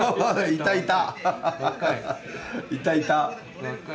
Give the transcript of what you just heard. いたいた。